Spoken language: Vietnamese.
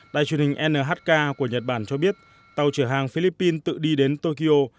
tài truyền hình nhk của nhật bản cho biết tàu trở hàng philippines tự đi đến tokyo